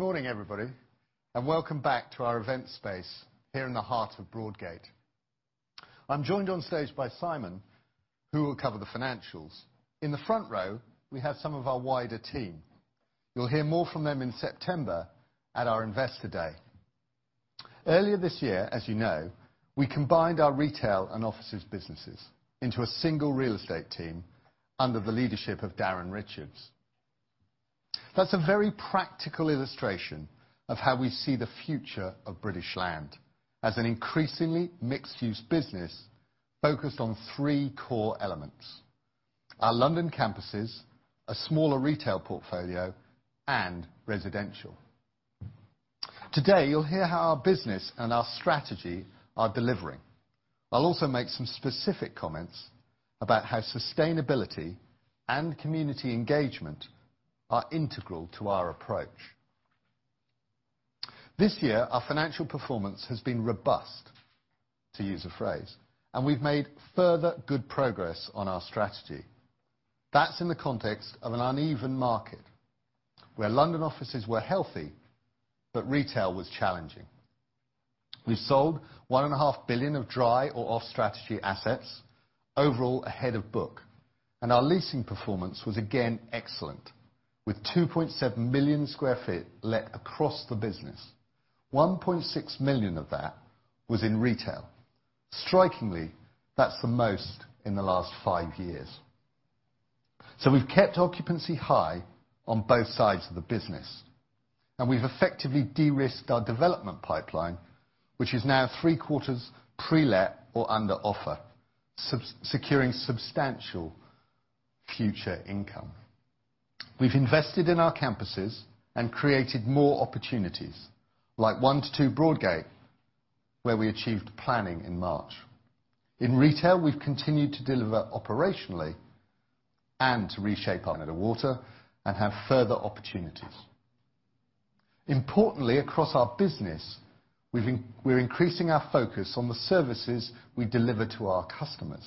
Good morning, everybody, and welcome back to our event space here in the heart of Broadgate. I'm joined on stage by Simon, who will cover the financials. In the front row, we have some of our wider team. You'll hear more from them in September at our investor day. Earlier this year, as you know, we combined our retail and offices businesses into a single real estate team under the leadership of Darren Richards. That's a very practical illustration of how we see the future of British Land as an increasingly mixed-use business focused on three core elements: our London campuses, a smaller retail portfolio, and residential. Today, you'll hear how our business and our strategy are delivering. I'll also make some specific comments about how sustainability and community engagement are integral to our approach. This year, our financial performance has been robust, to use a phrase, and we've made further good progress on our strategy. That's in the context of an uneven market, where London offices were healthy, but retail was challenging. We sold 1.5 billion of dry or off-strategy assets, overall ahead of book, and our leasing performance was again excellent, with 2.7 million sq ft let across the business. 1.6 million sq ft of that was in retail. Strikingly, that's the most in the last five years. We've kept occupancy high on both sides of the business, and we've effectively de-risked our development pipeline, which is now three-quarters pre-let or under offer, securing substantial future income. We've invested in our campuses and created more opportunities, like 1-2 Broadgate, where we achieved planning in March. In retail, we've continued to deliver operationally and to reshape our water and have further opportunities. Importantly, across our business, we're increasing our focus on the services we deliver to our customers.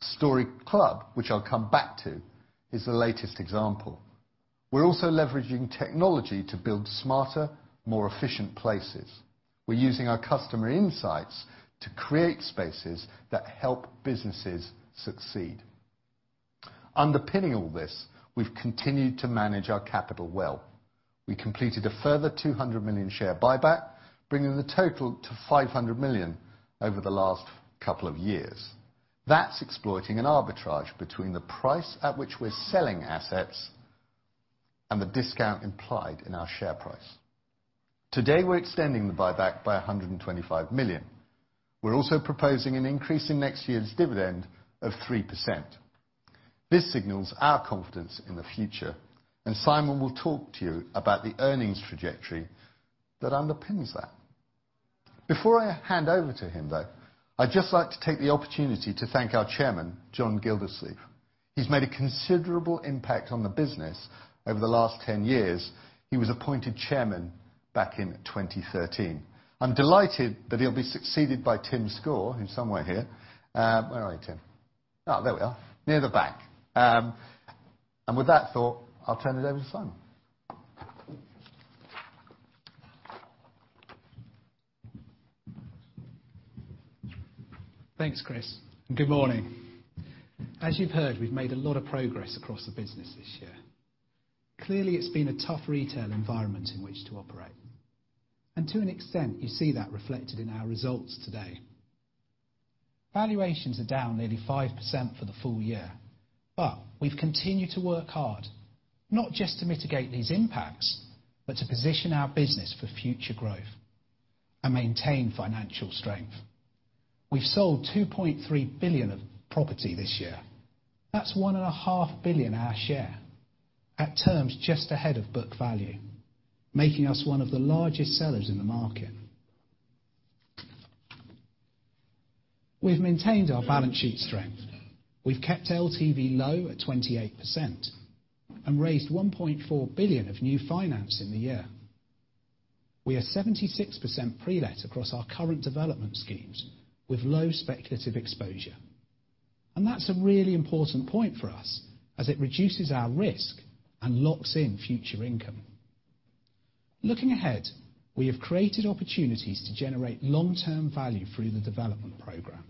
Storey Club, which I'll come back to, is the latest example. We're also leveraging technology to build smarter, more efficient places. We're using our customer insights to create spaces that help businesses succeed. Underpinning all this, we've continued to manage our capital well. We completed a further 200 million share buyback, bringing the total to 500 million over the last couple of years. That's exploiting an arbitrage between the price at which we're selling assets and the discount implied in our share price. Today, we're extending the buyback by 125 million. We're also proposing an increase in next year's dividend of 3%. This signals our confidence in the future, Simon will talk to you about the earnings trajectory that underpins that. Before I hand over to him, though, I'd just like to take the opportunity to thank our Chairman, John Gildersleeve. He's made a considerable impact on the business over the last 10 years. He was appointed Chairman back in 2013. I'm delighted that he'll be succeeded by Tim Score, who's somewhere here. Where are you, Tim? There we are, near the back. With that thought, I'll turn it over to Simon. Thanks, Chris, good morning. As you've heard, we've made a lot of progress across the business this year. Clearly, it's been a tough retail environment in which to operate. To an extent, you see that reflected in our results today. Valuations are down nearly 5% for the full year. We've continued to work hard, not just to mitigate these impacts, but to position our business for future growth and maintain financial strength. We've sold 2.3 billion of property this year. That's 1.5 billion our share, at terms just ahead of book value, making us one of the largest sellers in the market. We've maintained our balance sheet strength. We've kept LTV low at 28% and raised 1.4 billion of new finance in the year. We are 76% pre-let across our current development schemes, with low speculative exposure. That's a really important point for us as it reduces our risk and locks in future income. Looking ahead, we have created opportunities to generate long-term value through the development program,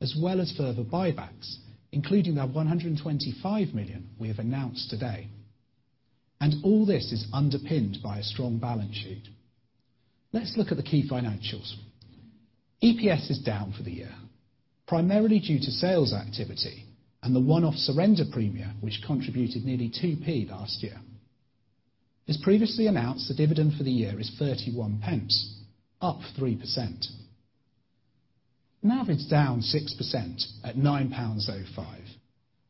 as well as further buybacks, including our 125 million we have announced today. All this is underpinned by a strong balance sheet. Let's look at the key financials. EPS is down for the year, primarily due to sales activity and the one-off surrender premia, which contributed nearly 0.02 last year. As previously announced, the dividend for the year is 0.31, up 3%. NAV is down 6% at 9.05 pounds,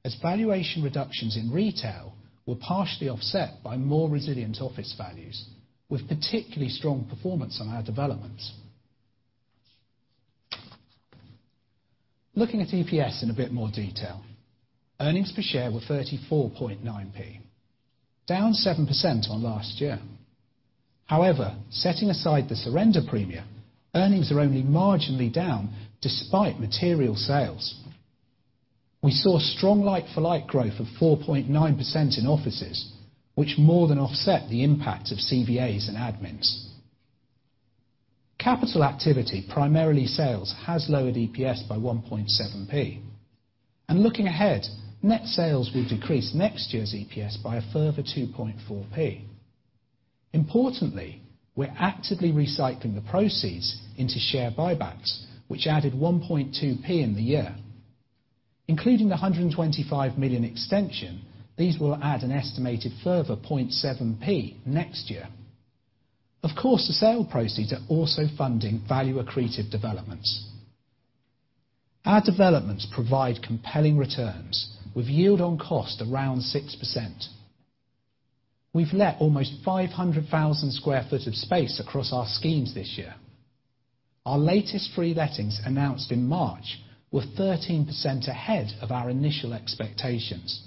as valuation reductions in retail were partially offset by more resilient office values, with particularly strong performance on our developments. Looking at EPS in a bit more detail, earnings per share were 0.349, down 7% on last year. However, setting aside the surrender premia, earnings are only marginally down despite material sales. We saw strong like-for-like growth of 4.9% in offices, which more than offset the impact of CVAs and admins. Capital activity, primarily sales, has lowered EPS by 0.017. Looking ahead, net sales will decrease next year's EPS by a further 0.024. Importantly, we're actively recycling the proceeds into share buybacks, which added 0.012 in the year. Including the 125 million extension, these will add an estimated further 0.007 next year. Of course, the sale proceeds are also funding value-accretive developments. Our developments provide compelling returns, with yield on cost around 6%. We've let almost 500,000 sq ft of space across our schemes this year. Our latest relettings announced in March were 13% ahead of our initial expectations.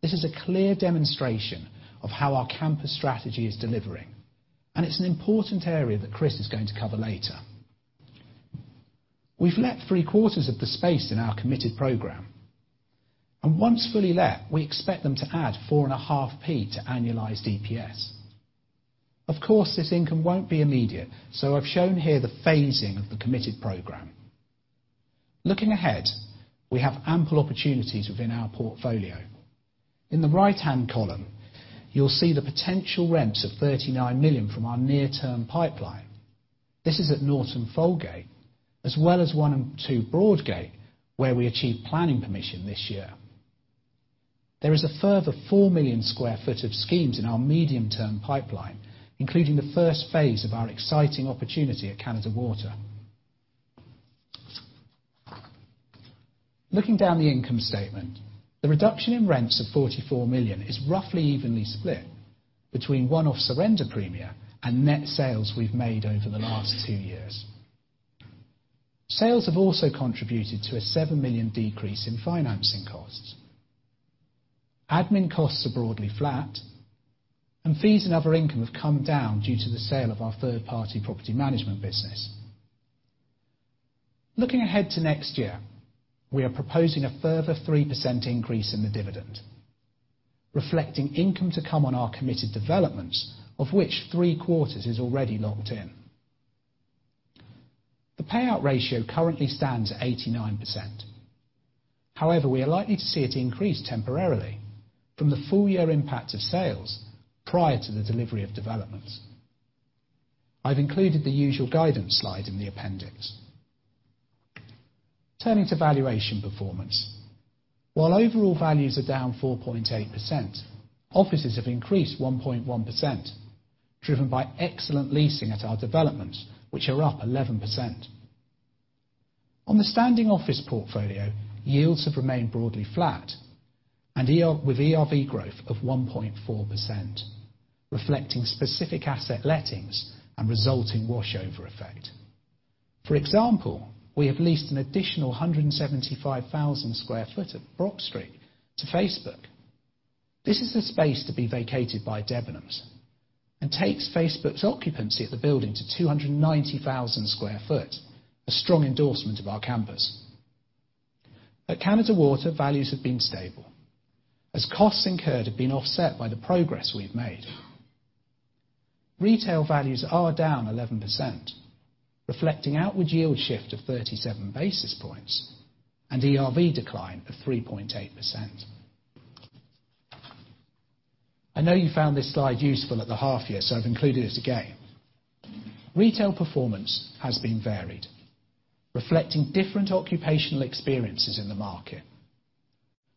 This is a clear demonstration of how our campus strategy is delivering, it's an important area that Chris is going to cover later. We've let three-quarters of the space in our committed program. Once fully let, we expect them to add 0.045 to annualized EPS. Of course, this income won't be immediate, I've shown here the phasing of the committed program. Looking ahead, we have ample opportunities within our portfolio. In the right-hand column, you'll see the potential rents of 39 million from our near-term pipeline. This is at Norton Folgate, as well as 1 and 2 Broadgate, where we achieved planning permission this year. There is a further 4 million sq ft of schemes in our medium-term pipeline, including the first phase of our exciting opportunity at Canada Water. Looking down the income statement, the reduction in rents of 44 million is roughly evenly split between one-off surrender premia and net sales we've made over the last two years. Sales have also contributed to a 7 million decrease in financing costs. Admin costs are broadly flat, and fees and other income have come down due to the sale of our third-party property management business. Looking ahead to next year, we are proposing a further 3% increase in the dividend, reflecting income to come on our committed developments, of which three-quarters is already locked in. The payout ratio currently stands at 89%. However, we are likely to see it increase temporarily from the full-year impact of sales prior to the delivery of developments. I've included the usual guidance slide in the appendix. Turning to valuation performance. While overall values are down 4.8%, offices have increased 1.1%, driven by excellent leasing at our developments, which are up 11%. On the standing office portfolio, yields have remained broadly flat and with ERV growth of 1.4%, reflecting specific asset lettings and resulting washover effect. For example, we have leased an additional 175,000 sq ft at Brock Street to Facebook. This is the space to be vacated by Debenhams and takes Facebook's occupancy at the building to 290,000 sq ft, a strong endorsement of our campus. At Canada Water, values have been stable as costs incurred have been offset by the progress we've made. Retail values are down 11%, reflecting outward yield shift of 37 basis points and ERV decline of 3.8%. I know you found this slide useful at the half-year, so I've included it again. Retail performance has been varied, reflecting different occupational experiences in the market.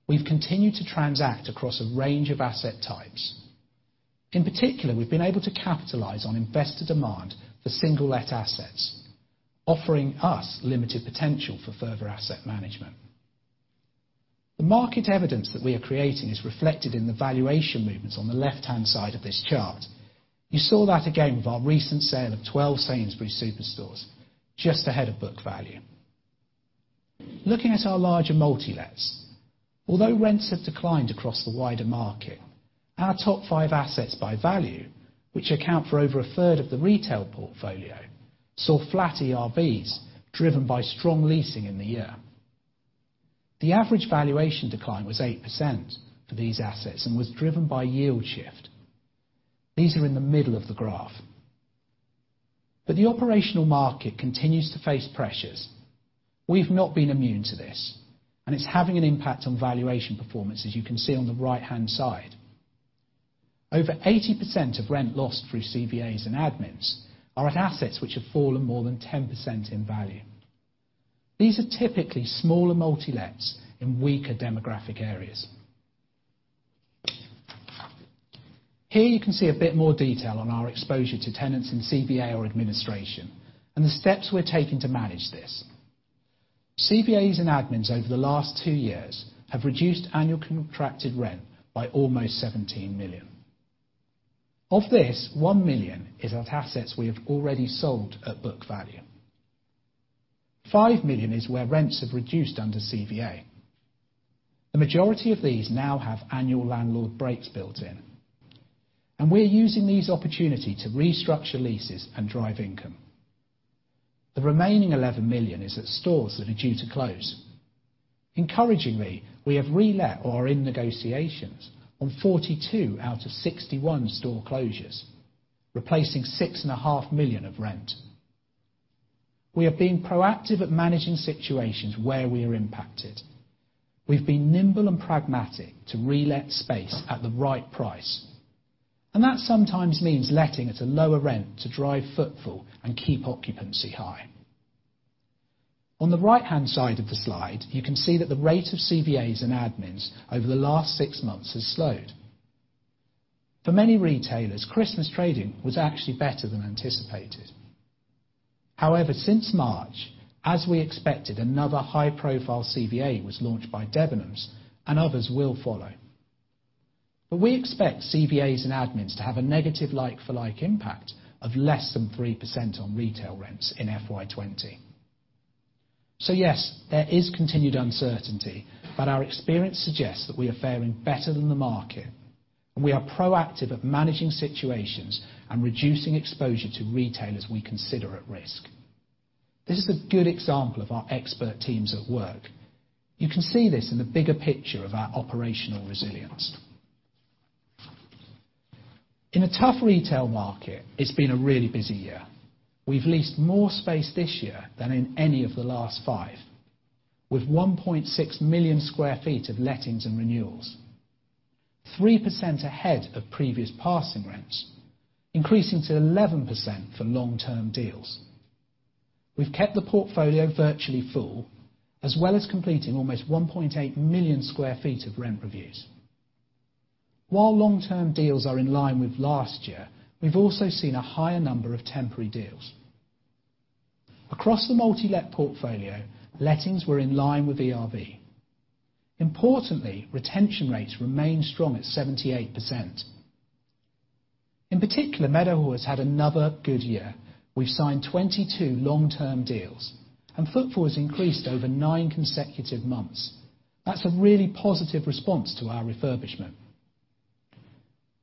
We've continued to transact across a range of asset types. In particular, we've been able to capitalize on investor demand for single-let assets, offering us limited potential for further asset management. The market evidence that we are creating is reflected in the valuation movements on the left-hand side of this chart. You saw that again with our recent sale of 12 Sainsbury's superstores, just ahead of book value. Looking at our larger multi-lets, although rents have declined across the wider market, our top five assets by value, which account for over a third of the retail portfolio, saw flat ERVs, driven by strong leasing in the year. The average valuation decline was 8% for these assets and was driven by yield shift. These are in the middle of the graph. The operational market continues to face pressures. We've not been immune to this, and it's having an impact on valuation performance, as you can see on the right-hand side. Over 80% of rent lost through CVAs and admins are at assets which have fallen more than 10% in value. These are typically smaller multi-lets in weaker demographic areas. Here you can see a bit more detail on our exposure to tenants in CVA or administration and the steps we're taking to manage this. CVAs and admins over the last two years have reduced annual contracted rent by almost 17 million. Of this, 1 million is at assets we have already sold at book value. 5 million is where rents have reduced under CVA. The majority of these now have annual landlord breaks built in, and we're using these opportunity to restructure leases and drive income. The remaining 11 million is at stores that are due to close. Encouragingly, we have relet or are in negotiations on 42 out of 61 store closures, replacing six and a half million GBP of rent. We have been proactive at managing situations where we are impacted. We've been nimble and pragmatic to relet space at the right price, and that sometimes means letting it at a lower rent to drive footfall and keep occupancy high. On the right-hand side of the slide, you can see that the rate of CVAs and admins over the last six months has slowed. For many retailers, Christmas trading was actually better than anticipated. However, since March, as we expected, another high-profile CVA was launched by Debenhams, and others will follow. We expect CVAs and admins to have a negative like-for-like impact of less than 3% on retail rents in FY 2020. Yes, there is continued uncertainty, but our experience suggests that we are faring better than the market and we are proactive at managing situations and reducing exposure to retailers we consider at risk. This is a good example of our expert teams at work. You can see this in the bigger picture of our operational resilience. In a tough retail market, it's been a really busy year. We've leased more space this year than in any of the last five, with 1.6 million sq ft of lettings and renewals, 3% ahead of previous passing rents, increasing to 11% for long-term deals. We've kept the portfolio virtually full, as well as completing almost 1.8 million sq ft of rent reviews. While long-term deals are in line with last year, we've also seen a higher number of temporary deals. Across the multi-let portfolio, lettings were in line with ERV. Importantly, retention rates remain strong at 78%. In particular, Meadowhall has had another good year. We've signed 22 long-term deals, and footfall has increased over nine consecutive months. That's a really positive response to our refurbishment.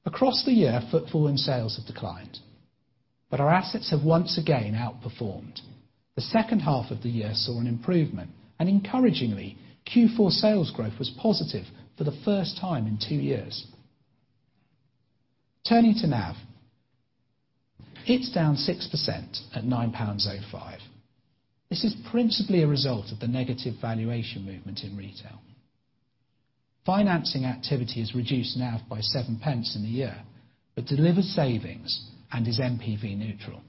Across the year, footfall and sales have declined, Our assets have once again outperformed. The second half of the year saw an improvement, Encouragingly, Q4 sales growth was positive for the first time in two years. Turning to NAV, it's down 6% at 9.05 pounds. This is principally a result of the negative valuation movement in retail. Financing activity has reduced NAV by 0.07 in the year, Delivered savings and is NPV neutral.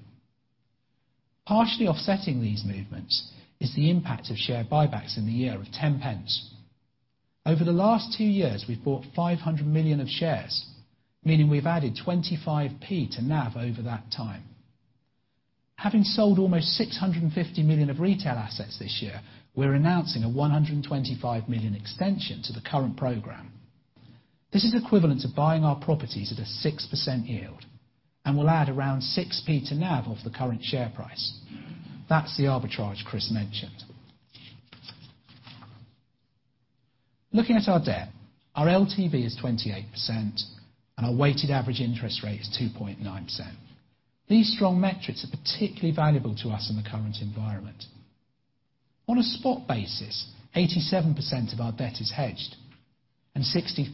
Partially offsetting these movements is the impact of share buybacks in the year of 0.10. Over the last two years, we've bought 500 million of shares, meaning we've added 0.25 to NAV over that time. Having sold almost 650 million of retail assets this year, we're announcing a 125 million extension to the current program. This is equivalent to buying our properties at a 6% yield and will add around 0.06 to NAV of the current share price. That's the arbitrage Chris mentioned. Looking at our debt, our LTV is 28%, and our weighted average interest rate is 2.9%. These strong metrics are particularly valuable to us in the current environment. On a spot basis, 87% of our debt is hedged, and 63%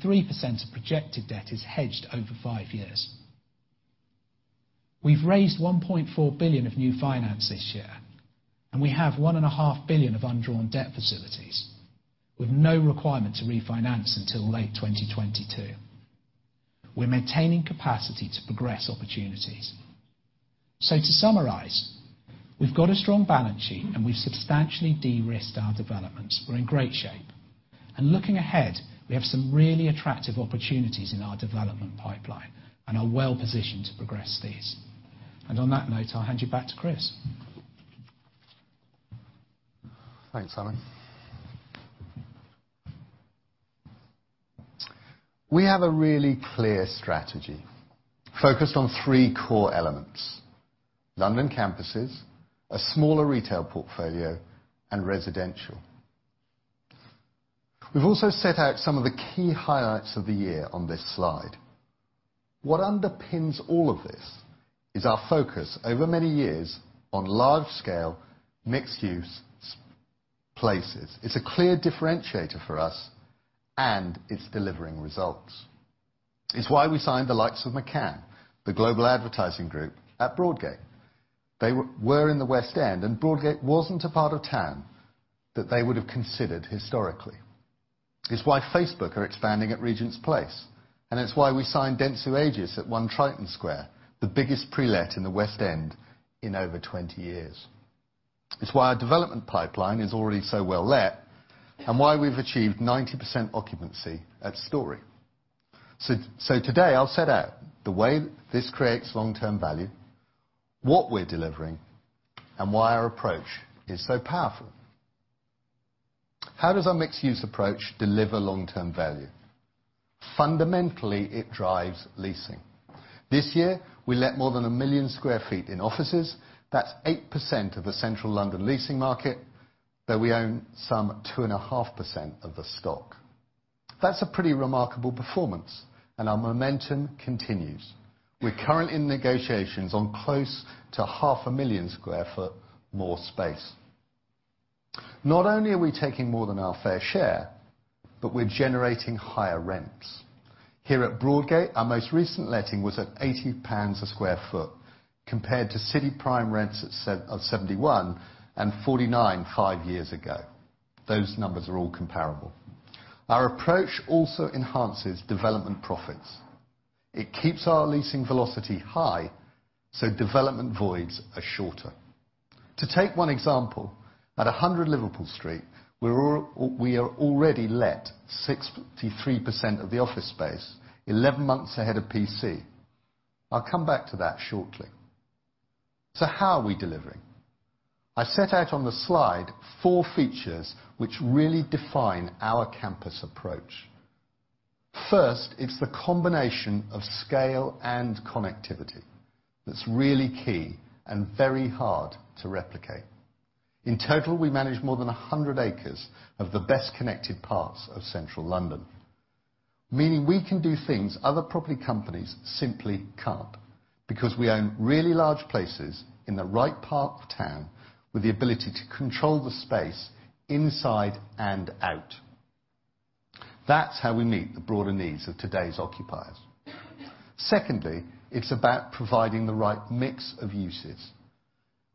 of projected debt is hedged over five years. We've raised 1.4 billion of new finance this year, We have one and a half billion GBP of undrawn debt facilities with no requirement to refinance until late 2022. We're maintaining capacity to progress opportunities. To summarize, we've got a strong balance sheet, We've substantially de-risked our developments. We're in great shape. Looking ahead, we have some really attractive opportunities in our development pipeline and are well positioned to progress these. On that note, I'll hand you back to Chris. Thanks, Simon. We have a really clear strategy focused on three core elements, London campuses, a smaller retail portfolio, and residential. We've also set out some of the key highlights of the year on this slide. What underpins all of this is our focus over many years on large-scale mixed use places. It's a clear differentiator for us, and it's delivering results. It's why we signed the likes of McCann, the global advertising group at Broadgate. They were in the West End, and Broadgate wasn't a part of town that they would have considered historically. It's why Facebook are expanding at Regent's Place, and it's why we signed Dentsu Aegis at One Triton Square, the biggest pre-let in the West End in over 20 years. It's why our development pipeline is already so well let and why we've achieved 90% occupancy at Storey. Today I'll set out the way this creates long-term value, what we're delivering, and why our approach is so powerful. How does our mixed use approach deliver long-term value? Fundamentally, it drives leasing. This year, we let more than a million square feet in offices. That's 8% of the central London leasing market, though we own some 2.5% of the stock. That's a pretty remarkable performance, and our momentum continues. We're currently in negotiations on close to half a million square foot more space. Not only are we taking more than our fair share, but we're generating higher rents. Here at Broadgate, our most recent letting was at 80 pounds a square foot compared to city prime rents at 71 and 49 five years ago. Those numbers are all comparable. Our approach also enhances development profits. It keeps our leasing velocity high, so development voids are shorter. To take one example, at 100 Liverpool Street, we are already let 63% of the office space 11 months ahead of PC. I'll come back to that shortly. How are we delivering? I set out on the slide four features which really define our campus approach. First, it's the combination of scale and connectivity that's really key and very hard to replicate. In total, we manage more than 100 acres of the best-connected parts of Central London, meaning we can do things other property companies simply can't, because we own really large places in the right part of town with the ability to control the space inside and out. That's how we meet the broader needs of today's occupiers. Secondly, it's about providing the right mix of uses.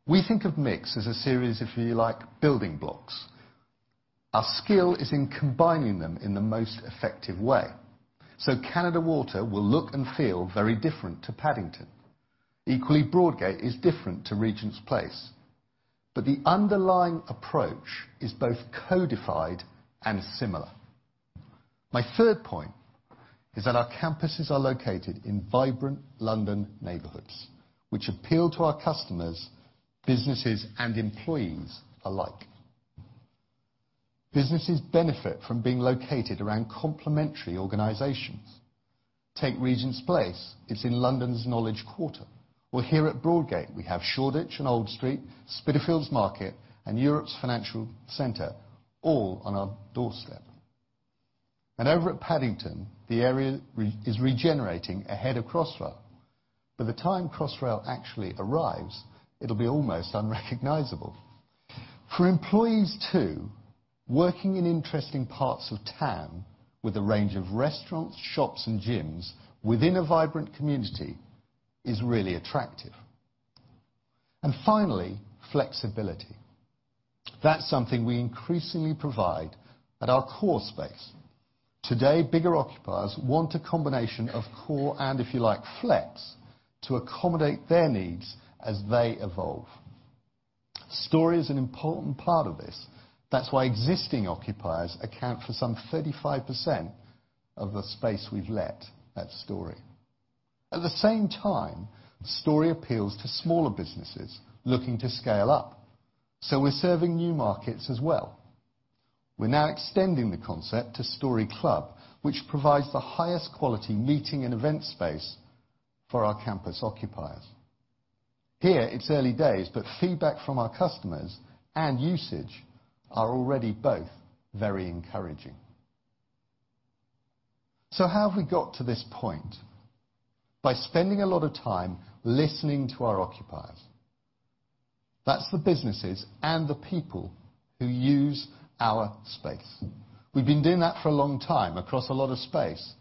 We think of mix as a series, if you like, building blocks. Our skill is in combining them in the most effective way. Canada Water will look and feel very different to Paddington. Equally, Broadgate is different to Regent's Place. The underlying approach is both codified and similar. My third point is that our campuses are located in vibrant London neighborhoods, which appeal to our customers, businesses, and employees alike. Businesses benefit from being located around complementary organizations. Take Regent's Place. It's in London's knowledge quarter. Here at Broadgate, we have Shoreditch and Old Street, Spitalfields Market, and Europe's financial center all on our doorstep. Over at Paddington, the area is regenerating ahead of Crossrail. By the time Crossrail actually arrives, it'll be almost unrecognizable. For employees, too, working in interesting parts of town with a range of restaurants, shops, and gyms within a vibrant community is really attractive. Finally, flexibility. That's something we increasingly provide at our core space. Today, bigger occupiers want a combination of core and, if you like, flex to accommodate their needs as they evolve. Storey is an important part of this. That's why existing occupiers account for some 35% of the space we've let at Storey. At the same time, Storey appeals to smaller businesses looking to scale up. We're serving new markets as well. We're now extending the concept to Storey Club, which provides the highest quality meeting and event space for our campus occupiers. Here, it's early days, but feedback from our customers and usage are already both very encouraging. How have we got to this point? By spending a lot of time listening to our occupiers. That's the businesses and the people who use our space. We've been doing that for a long time across a lot of space,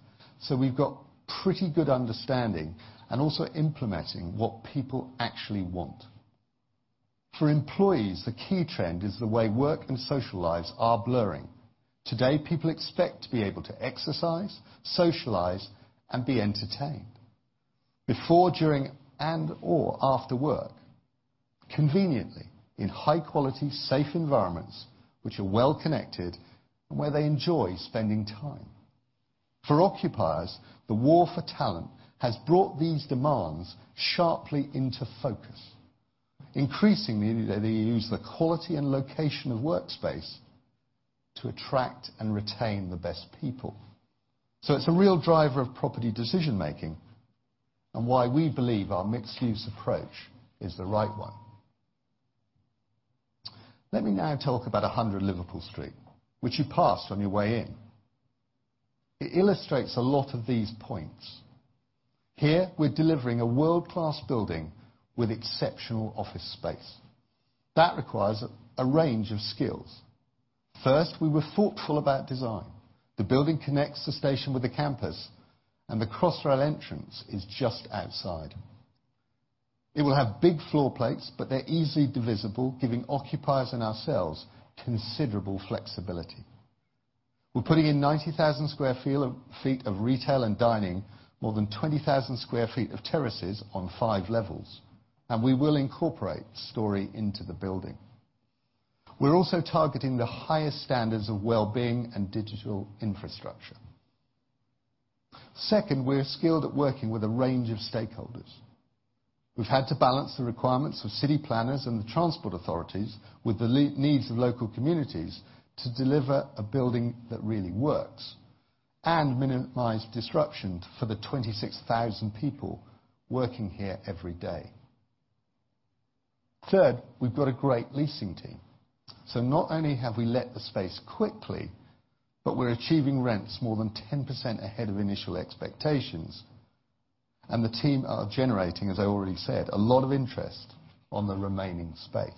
we've got pretty good understanding and also implementing what people actually want. For employees, the key trend is the way work and social lives are blurring. Today, people expect to be able to exercise, socialize, and be entertained before, during, and/or after work, conveniently in high-quality, safe environments which are well-connected and where they enjoy spending time. For occupiers, the war for talent has brought these demands sharply into focus. Increasingly, they use the quality and location of workspace to attract and retain the best people. It's a real driver of property decision-making and why we believe our mixed-use approach is the right one. Let me now talk about 100 Liverpool Street, which you passed on your way in. It illustrates a lot of these points. Here, we're delivering a world-class building with exceptional office space. That requires a range of skills. First, we were thoughtful about design. The building connects the station with the campus, and the Crossrail entrance is just outside. It will have big floor plates, but they're easily divisible, giving occupiers and ourselves considerable flexibility. We're putting in 90,000 sq ft of retail and dining, more than 20,000 sq ft of terraces on 5 levels, and we will incorporate Storey into the building. We're also targeting the highest standards of well-being and digital infrastructure. Second, we're skilled at working with a range of stakeholders. We've had to balance the requirements of city planners and the transport authorities with the needs of local communities to deliver a building that really works and minimize disruption for the 26,000 people working here every day. Third, we've got a great leasing team. Not only have we let the space quickly, but we're achieving rents more than 10% ahead of initial expectations. The team are generating, as I already said, a lot of interest on the remaining space.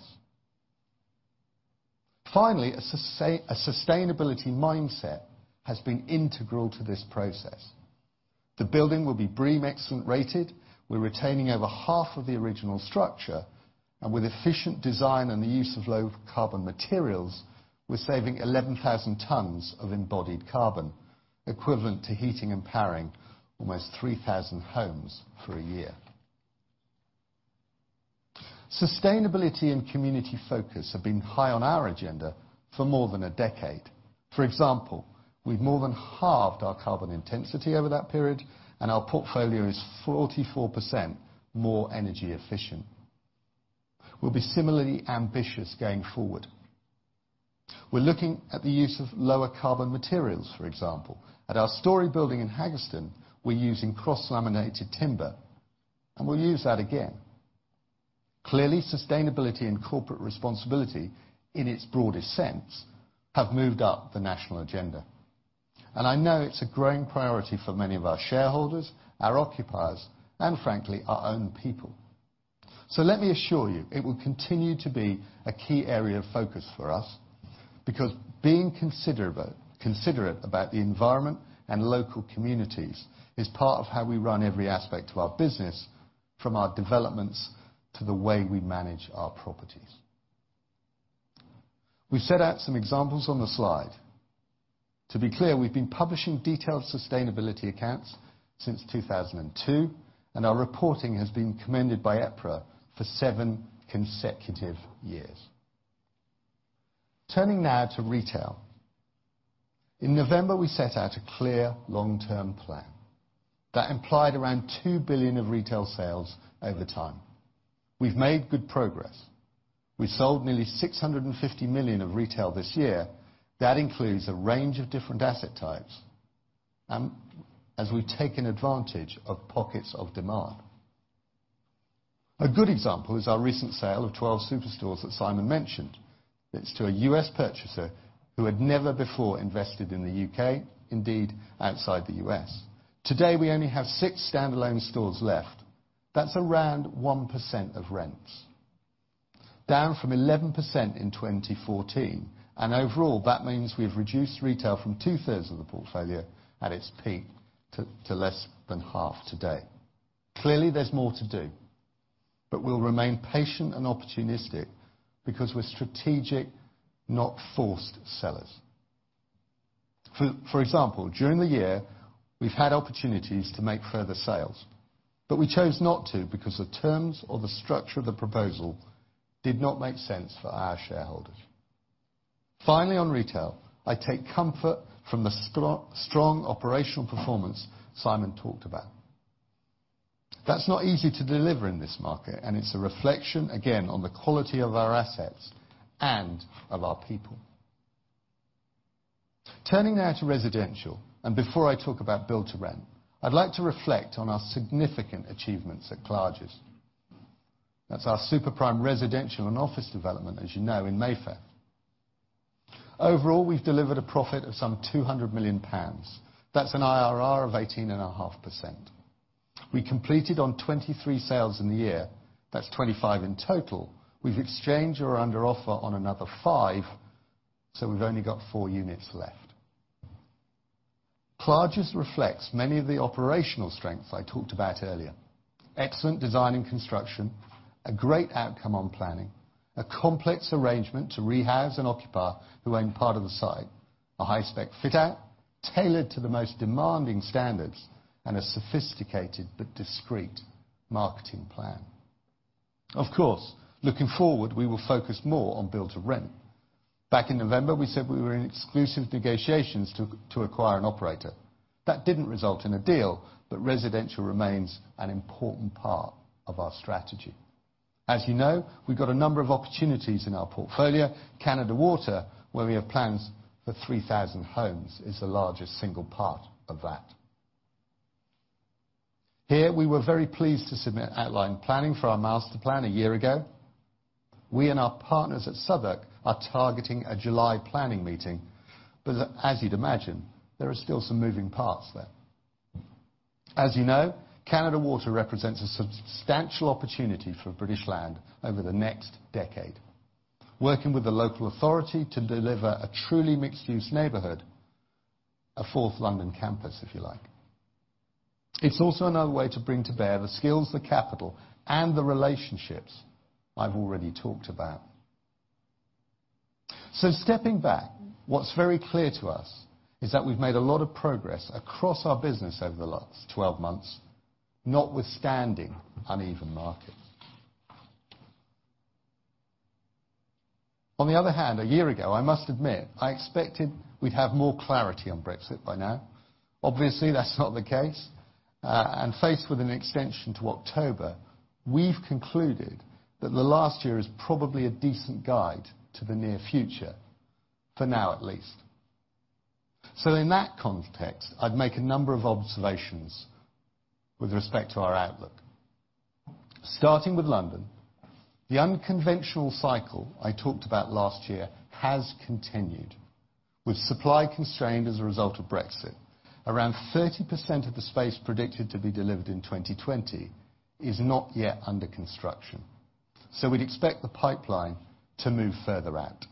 Finally, a sustainability mindset has been integral to this process. The building will be BREEAM Excellent rated. We're retaining over half of the original structure, and with efficient design and the use of low-carbon materials, we're saving 11,000 tons of embodied carbon, equivalent to heating and powering almost 3,000 homes for a year. Sustainability and community focus have been high on our agenda for more than a decade. For example, we've more than halved our carbon intensity over that period, and our portfolio is 44% more energy efficient. We'll be similarly ambitious going forward. We're looking at the use of lower carbon materials, for example. At our Storey building in Haggerston, we're using cross-laminated timber, we'll use that again. Clearly, sustainability and corporate responsibility in its broadest sense have moved up the national agenda. I know it's a growing priority for many of our shareholders, our occupiers, and frankly, our own people. Let me assure you, it will continue to be a key area of focus for us, because being considerate about the environment and local communities is part of how we run every aspect of our business, from our developments to the way we manage our properties. We set out some examples on the slide. To be clear, we've been publishing detailed sustainability accounts since 2002, and our reporting has been commended by EPRA for seven consecutive years. Turning now to retail. In November, we set out a clear long-term plan that implied around 2 billion of retail sales over time. We've made good progress. We sold nearly 650 million of retail this year. That includes a range of different asset types, as we've taken advantage of pockets of demand. A good example is our recent sale of 12 superstores that Simon mentioned. It's to a U.S. purchaser who had never before invested in the U.K., indeed, outside the U.S. Today, we only have six standalone stores left. That's around 1% of rents, down from 11% in 2014. Overall, that means we've reduced retail from two-thirds of the portfolio at its peak to less than half today. Clearly, there's more to do. We'll remain patient and opportunistic because we're strategic, not forced sellers. For example, during the year, we've had opportunities to make further sales. We chose not to because the terms or the structure of the proposal did not make sense for our shareholders. Finally, on retail, I take comfort from the strong operational performance Simon talked about. That's not easy to deliver in this market, and it's a reflection, again, on the quality of our assets and of our people. Turning now to residential, and before I talk about build-to-rent, I'd like to reflect on our significant achievements at Clarges. That's our super prime residential and office development, as you know, in Mayfair. Overall, we've delivered a profit of some 200 million pounds. That's an IRR of 18.5%. We completed on 23 sales in the year. That's 25 in total. We've exchanged or are under offer on another five, so we've only got four units left. Clarges reflects many of the operational strengths I talked about earlier. Excellent design and construction, a great outcome on planning, a complex arrangement to rehouse an occupier who own part of the site, a high-spec fit-out tailored to the most demanding standards, and a sophisticated but discreet marketing plan. Looking forward, we will focus more on build-to-rent. Back in November, we said we were in exclusive negotiations to acquire an operator. That didn't result in a deal, but residential remains an important part of our strategy. As you know, we've got a number of opportunities in our portfolio. Canada Water, where we have plans for 3,000 homes, is the largest single part of that. Here, we were very pleased to submit outline planning for our master plan a year ago. We and our partners at Southwark are targeting a July planning meeting. As you'd imagine, there are still some moving parts there. As you know, Canada Water represents a substantial opportunity for British Land over the next decade. Working with the local authority to deliver a truly mixed-use neighborhood, a fourth London campus, if you like. It's also another way to bring to bear the skills, the capital, and the relationships I've already talked about. Stepping back, what's very clear to us is that we've made a lot of progress across our business over the last 12 months, notwithstanding uneven markets. On the other hand, a year ago, I must admit, I expected we'd have more clarity on Brexit by now. Obviously, that's not the case. Faced with an extension to October, we've concluded that the last year is probably a decent guide to the near future, for now at least. In that context, I'd make a number of observations with respect to our outlook. Starting with London, the unconventional cycle I talked about last year has continued, with supply constrained as a result of Brexit. Around 30% of the space predicted to be delivered in 2020 is not yet under construction. We'd expect the pipeline to move further out.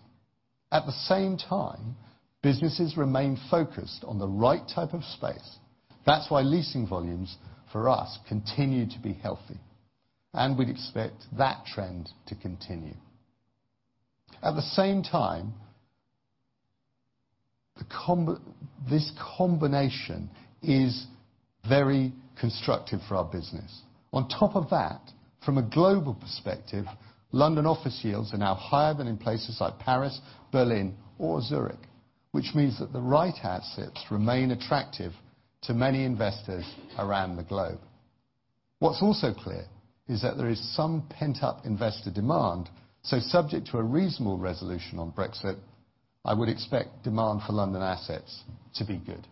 At the same time, businesses remain focused on the right type of space. That's why leasing volumes for us continue to be healthy, and we'd expect that trend to continue. At the same time, this combination is very constructive for our business. On top of that, from a global perspective, London office yields are now higher than in places like Paris, Berlin, or Zurich. Which means that the right assets remain attractive to many investors around the globe. What's also clear is that there is some pent-up investor demand. Subject to a reasonable resolution on Brexit, I would expect demand for London assets to be good.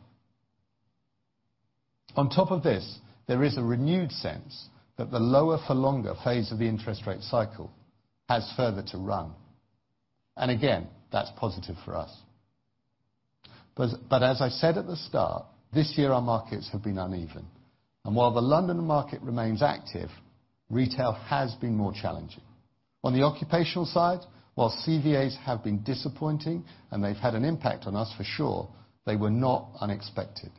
On top of this, there is a renewed sense that the lower for longer phase of the interest rate cycle has further to run. Again, that's positive for us. As I said at the start, this year our markets have been uneven. While the London market remains active, retail has been more challenging. On the occupational side, while CVAs have been disappointing and they've had an impact on us for sure, they were not unexpected.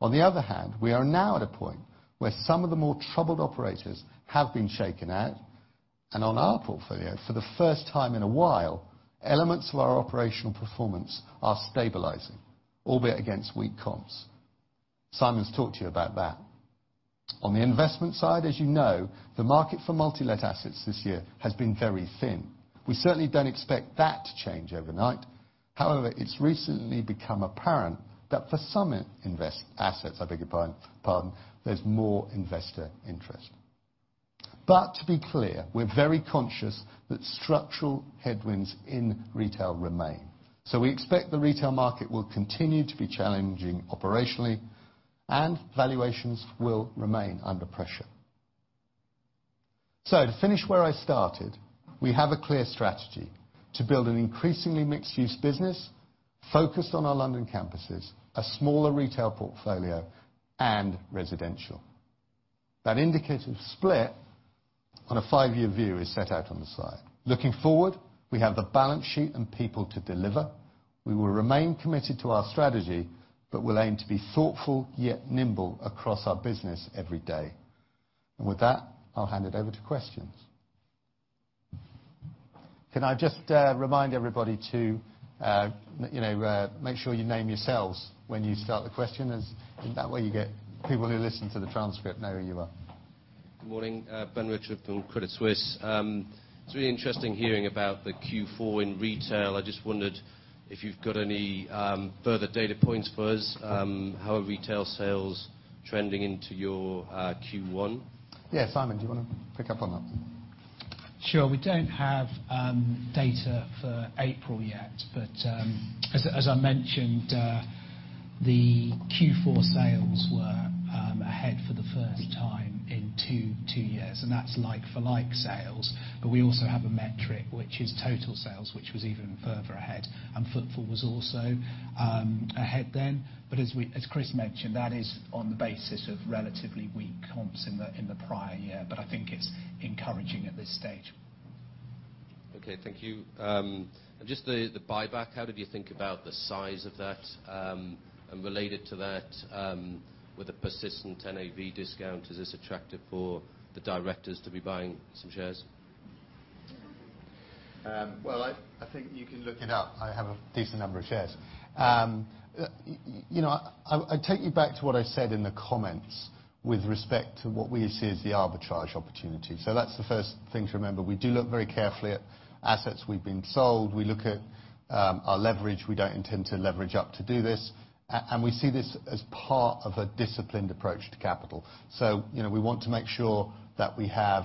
On the other hand, we are now at a point where some of the more troubled operators have been shaken out. On our portfolio, for the first time in a while, elements of our operational performance are stabilizing, albeit against weak comps. Simon's talked to you about that. On the investment side, as you know, the market for multi-let assets this year has been very thin. We certainly don't expect that to change overnight. It's recently become apparent that for some assets, there's more investor interest. To be clear, we're very conscious that structural headwinds in retail remain. We expect the retail market will continue to be challenging operationally and valuations will remain under pressure. To finish where I started, we have a clear strategy to build an increasingly mixed-use business focused on our London campuses, a smaller retail portfolio, and residential. That indicative split on a five-year view is set out on the side. Looking forward, we have the balance sheet and people to deliver. We will remain committed to our strategy, but we'll aim to be thoughtful, yet nimble across our business every day. With that, I'll hand it over to questions. Can I just remind everybody to make sure you name yourselves when you start the question? That way you get people who listen to the transcript know who you are. Good morning. Ben Richford from Credit Suisse. It's really interesting hearing about the Q4 in retail. I just wondered if you've got any further data points for us, how are retail sales trending into your Q1? Yeah. Simon, do you want to pick up on that? Sure. We don't have data for April yet, as I mentioned, the Q4 sales were ahead for the first time in 2 years, and that's like-for-like sales. We also have a metric, which is total sales, which was even further ahead, and footfall was also ahead then. As Chris mentioned, that is on the basis of relatively weak comps in the prior year, I think it's encouraging at this stage. Okay. Thank you. Just the buyback, how did you think about the size of that? Related to that, with a persistent NAV discount, is this attractive for the directors to be buying some shares? Well, I think you can look it up. I have a decent number of shares. I take you back to what I said in the comments with respect to what we see as the arbitrage opportunity. That's the first thing to remember. We do look very carefully at assets we've been sold. We look at our leverage. We don't intend to leverage up to do this. We see this as part of a disciplined approach to capital. We want to make sure that we have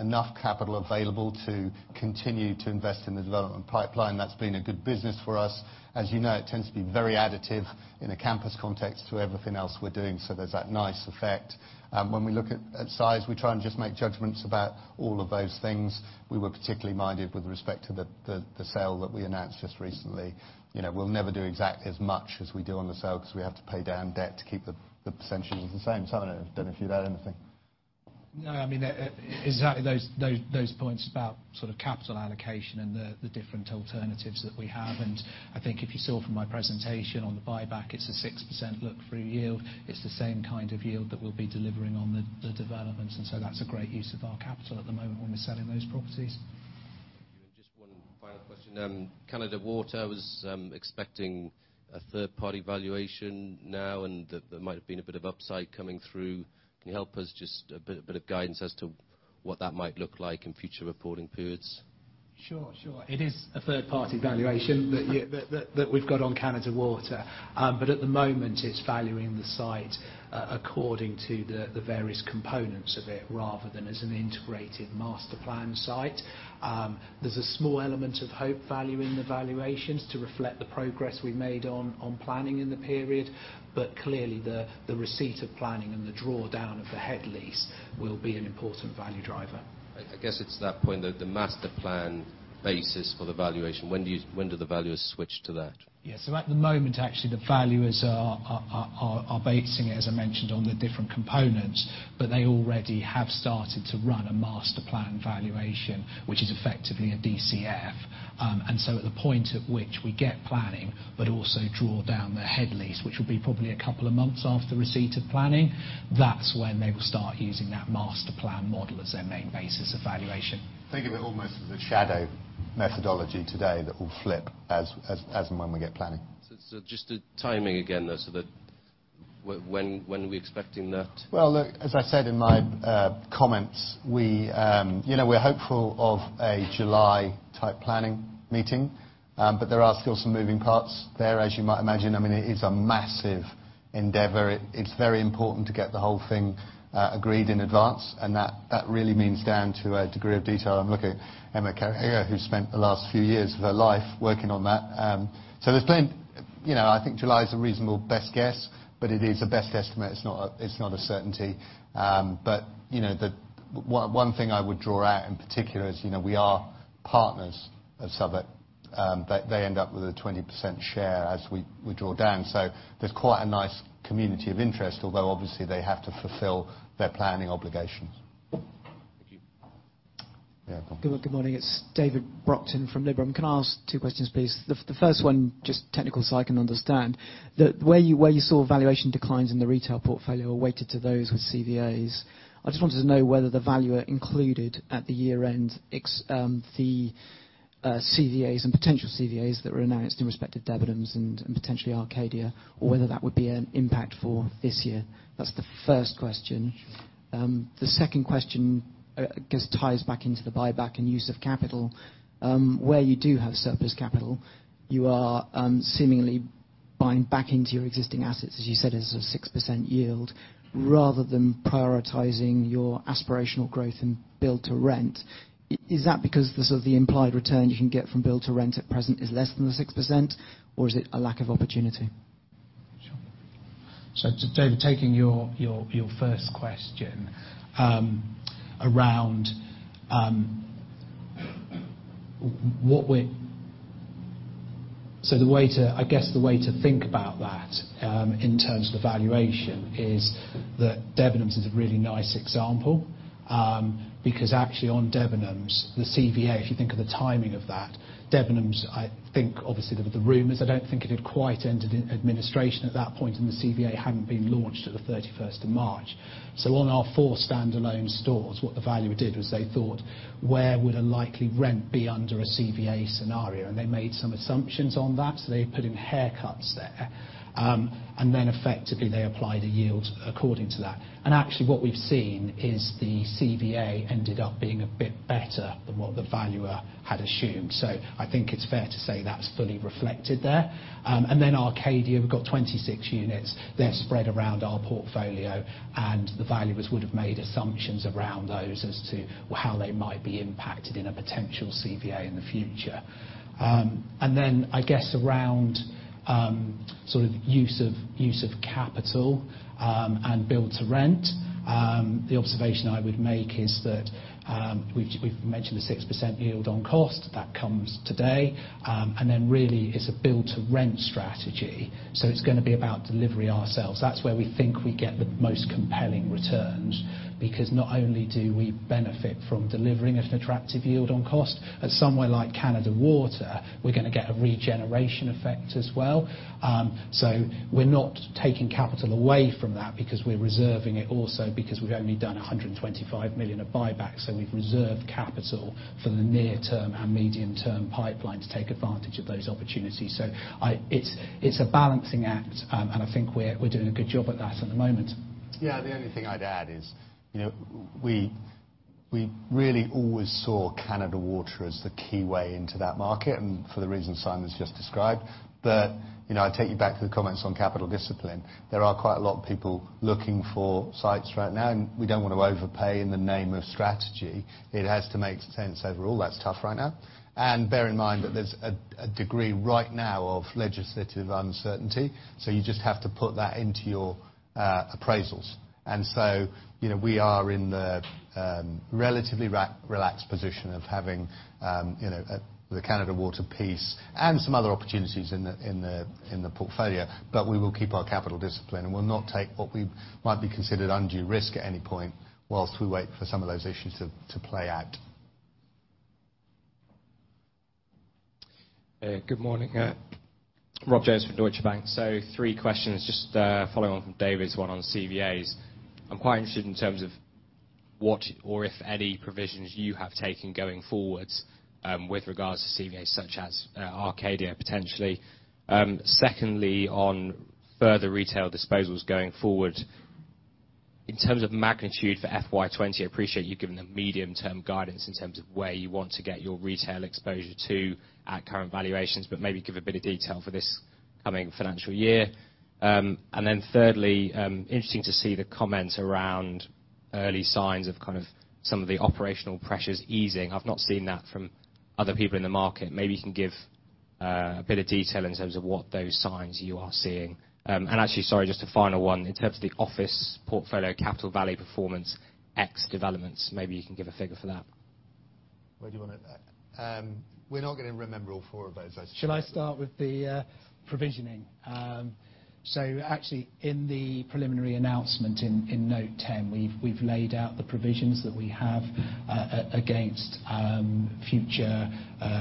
enough capital available to continue to invest in the development pipeline. That's been a good business for us. As you know, it tends to be very additive in a campus context to everything else we're doing. There's that nice effect. When we look at size, we try and just make judgments about all of those things. We were particularly minded with respect to the sale that we announced just recently. We'll never do exactly as much as we do on the sale because we have to pay down debt to keep the percentages the same. Simon, Ben, if you'd add anything. No, exactly those points about capital allocation and the different alternatives that we have. I think if you saw from my presentation on the buyback, it's a 6% look-through yield. It's the same kind of yield that we'll be delivering on the developments. That's a great use of our capital at the moment when we're selling those properties. Thank you. Just one final question. Canada Water was expecting a third-party valuation now, there might have been a bit of upside coming through. Can you help us, just a bit of guidance as to what that might look like in future reporting periods? Sure. It is a third-party valuation that we've got on Canada Water. At the moment, it's valuing the site according to the various components of it, rather than as an integrated master plan site. There's a small element of hope value in the valuations to reflect the progress we made on planning in the period, clearly, the receipt of planning and the drawdown of the head lease will be an important value driver. I guess it's that point, though, the master plan basis for the valuation, when do the valuers switch to that? At the moment, actually, the valuers are basing it, as I mentioned, on the different components, but they already have started to run a master plan valuation, which is effectively a DCF. At the point at which we get planning, but also draw down the head lease, which will be probably a couple of months after receipt of planning, that's when they will start using that master plan model as their main basis of valuation. Think of it almost as a shadow methodology today that will flip as and when we get planning. Just the timing again, though, when are we expecting that? Well, look, as I said in my comments, we're hopeful of a July type planning meeting. There are still some moving parts there, as you might imagine. It is a massive endeavor. It's very important to get the whole thing agreed in advance, and that really means down to a degree of detail. I'm looking at Emma Cariaga, who's spent the last few years of her life working on that. I think July is a reasonable best guess, but it is a best estimate. It's not a certainty. One thing I would draw out in particular is, we are partners of Southwark. They end up with a 20% share as we draw down. There's quite a nice community of interest, although obviously they have to fulfill their planning obligations. Thank you. Yeah, go on. Good morning. It's David Brockton from Liberum. Can I ask two questions, please? The first one, just technical so I can understand. The way you saw valuation declines in the retail portfolio were weighted to those with CVAs. I just wanted to know whether the valuer included at the year end, the CVAs and potential CVAs that were announced in respect of Debenhams and potentially Arcadia Group, or whether that would be an impact for this year. That's the first question. Sure. The second question, I guess, ties back into the buyback and use of capital. Where you do have surplus capital, you are seemingly buying back into your existing assets, as you said, as a 6% yield, rather than prioritizing your aspirational growth in build-to-rent. Is that because the implied return you can get from build-to-rent at present is less than the 6%, or is it a lack of opportunity? David, taking your first question. I guess the way to think about that, in terms of the valuation, is that Debenhams is a really nice example. Actually on Debenhams, the CVA, if you think of the timing of that, Debenhams, I think, obviously, there were the rumors, I don't think it had quite entered into administration at that point, and the CVA hadn't been launched at the 31st of March. On our four standalone stores, what the valuer did was they thought, where would a likely rent be under a CVA scenario? They made some assumptions on that. They put in haircuts there. Effectively, they applied a yield according to that. Actually, what we've seen is the CVA ended up being a bit better than what the valuer had assumed. I think it's fair to say that's fully reflected there. Arcadia, we've got 26 units. They're spread around our portfolio, the valuers would have made assumptions around those as to how they might be impacted in a potential CVA in the future. I guess, around use of capital and build-to-rent. The observation I would make is that, we've mentioned the 6% yield on cost, that comes today. Really it's a build-to-rent strategy. It's going to be about delivery ourselves. That's where we think we get the most compelling returns, because not only do we benefit from delivering an attractive yield on cost, at somewhere like Canada Water, we're going to get a regeneration effect as well. We're not taking capital away from that because we're reserving it also because we've only done 125 million of buyback. We've reserved capital for the near term and medium term pipeline to take advantage of those opportunities. It's a balancing act, I think we're doing a good job at that at the moment. Yeah, the only thing I'd add is, we really always saw Canada Water as the key way into that market, for the reasons Simon's just described. I take you back to the comments on capital discipline. There are quite a lot of people looking for sites right now, we don't want to overpay in the name of strategy. It has to make sense overall. That's tough right now. Bear in mind that there's a degree right now of legislative uncertainty. You just have to put that into your appraisals. We are in the relatively relaxed position of having the Canada Water piece and some other opportunities in the portfolio, we will keep our capital discipline, we'll not take what might be considered undue risk at any point whilst we wait for some of those issues to play out. Good morning. Yeah. Rob Jones from Deutsche Bank. Three questions, just following on from David's one on CVAs. I'm quite interested in terms of what or if any provisions you have taken going forwards with regards to CVAs, such as Arcadia, potentially. Secondly, on further retail disposals going forward. In terms of magnitude for FY 2020, I appreciate you've given a medium-term guidance in terms of where you want to get your retail exposure to at current valuations, but maybe give a bit of detail for this coming financial year. Thirdly, interesting to see the comments around early signs of some of the operational pressures easing. I've not seen that from other people in the market. Maybe you can give a bit of detail in terms of what those signs you are seeing. Actually, sorry, just a final one. In terms of the office portfolio, capital value performance, X developments, maybe you can give a figure for that. Where do you want it? We're not going to remember all four of those, are we? Shall I start with the provisioning? Actually, in the preliminary announcement in, Note 10, we've laid out the provisions that we have against future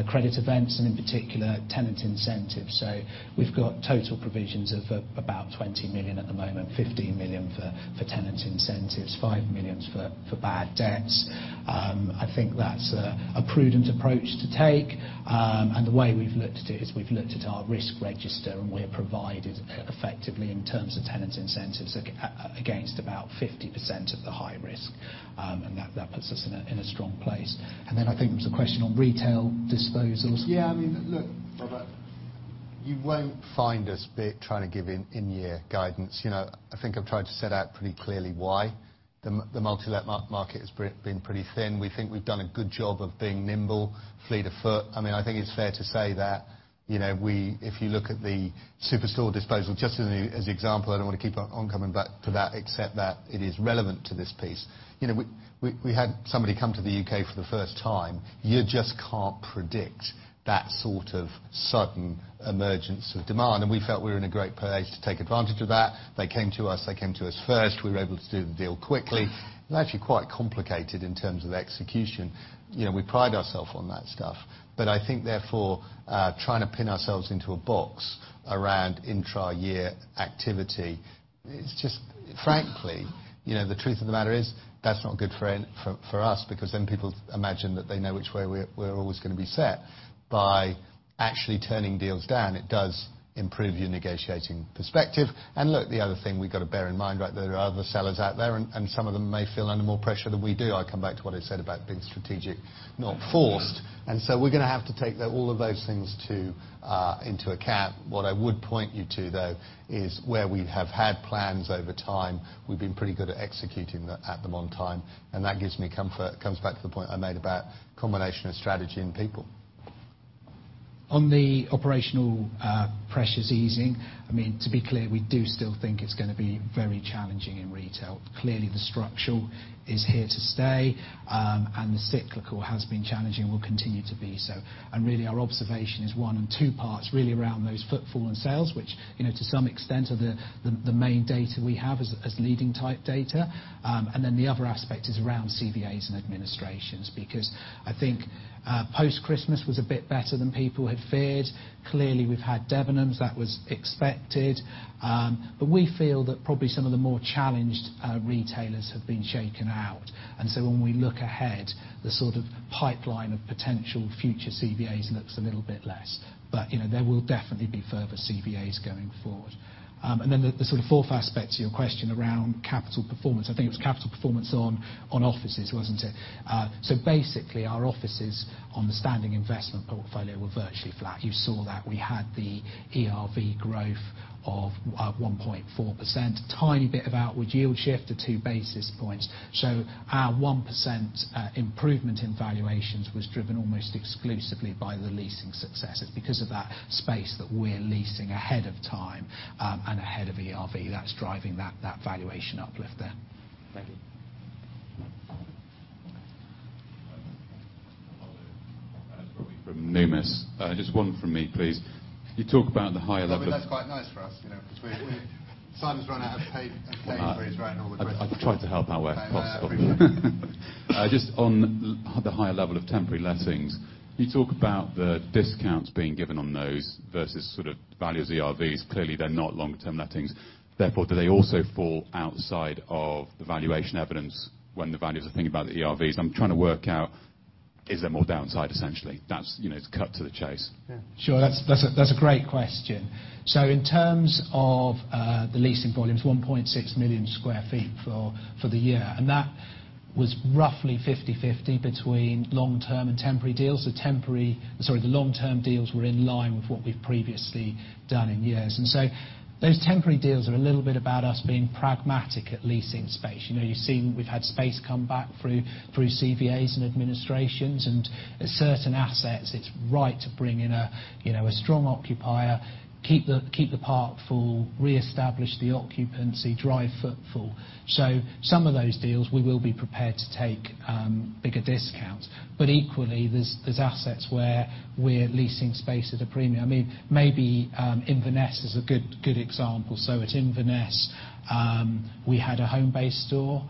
credit events and in particular, tenant incentives. We've got total provisions of about 20 million at the moment, 15 million for tenant incentives, 5 million for bad debts. I think that's a prudent approach to take. The way we've looked at it is we've looked at our risk register, and we're provided effectively in terms of tenant incentives against about 50% of the high risk. That puts us in a strong place. Then I think there was a question on retail disposals. Yeah, I mean, look, Robert, you won't find us trying to give in year guidance. I think I've tried to set out pretty clearly why. The multi-let market has been pretty thin. We think we've done a good job of being nimble, fleet of foot. I think it's fair to say that, if you look at the super store disposal, just as an example, I don't want to keep on coming back to that except that it is relevant to this piece. We had somebody come to the U.K. for the first time. You just can't predict that sort of sudden emergence of demand. We felt we were in a great place to take advantage of that. They came to us, they came to us first. We were able to do the deal quickly. It was actually quite complicated in terms of execution. We pride ourself on that stuff. I think, therefore, trying to pin ourselves into a box around intra-year activity, it's just, frankly, the truth of the matter is, that's not good for us because then people imagine that they know which way we're always going to be set. By actually turning deals down, it does improve your negotiating perspective. Look, the other thing we got to bear in mind, there are other sellers out there, and some of them may feel under more pressure than we do. I come back to what I said about being strategic, not forced. We're going to have to take all of those things into account. What I would point you to, though, is where we have had plans over time, we've been pretty good at executing that at the one time, and that gives me comfort. It comes back to the point I made about combination of strategy and people. On the operational pressures easing, to be clear, we do still think it's going to be very challenging in retail. Clearly, the structural is here to stay, and the cyclical has been challenging, will continue to be so. Our observation is one and two parts, really around those footfall and sales, which to some extent are the main data we have as leading type data. The other aspect is around CVAs and administrations, because I think post-Christmas was a bit better than people had feared. Clearly, we've had Debenhams. That was expected. We feel that probably some of the more challenged retailers have been shaken out. When we look ahead, the sort of pipeline of potential future CVAs looks a little bit less. There will definitely be further CVAs going forward. The sort of fourth aspect to your question around capital performance, I think it was capital performance on offices, wasn't it? Our offices on the standing investment portfolio were virtually flat. You saw that we had the ERV growth of 1.4%, tiny bit of outward yield shift of two basis points. Our 1% improvement in valuations was driven almost exclusively by the leasing successes because of that space that we're leasing ahead of time and ahead of ERV, that's driving that valuation uplift there. Thank you. Hello. Simon from Numis. Just one from me, please. You talk about the high level- That's quite nice for us. Simon's run out of paper. He's writing all the questions. I try to help out where possible. Okay, thank you. Just on the higher level of temporary lettings, you talk about the discounts being given on those versus sort of value as ERVs. Clearly, they're not long-term lettings. Therefore, do they also fall outside of the valuation evidence when the valuers are thinking about the ERVs? I'm trying to work out, is there more downside, essentially? To cut to the chase. Sure. That's a great question. In terms of the leasing volumes, 1.6 million sq ft for the year. That was roughly 50/50 between long-term and temporary deals. The long-term deals were in line with what we've previously done in years. Those temporary deals are a little bit about us being pragmatic at leasing space. You've seen we've had space come back through CVAs and administrations, and at certain assets, it's right to bring in a strong occupier, keep the park full, reestablish the occupancy, drive footfall. Some of those deals, we will be prepared to take bigger discounts. Equally, there's assets where we're leasing space at a premium. Maybe Inverness is a good example. At Inverness, we had a home-based store.